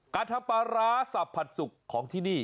การทำปลาร้าสับผัดสุกของที่นี่